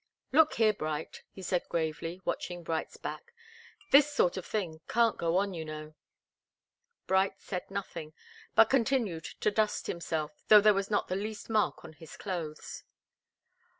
"Look here, Bright," he said gravely, watching Bright's back. "This sort of thing can't go on, you know." Bright said nothing, but continued to dust himself, though there was not the least mark on his clothes.